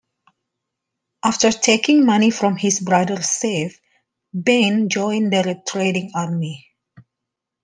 After taking money from his brother's safe, Bean joined the retreating army.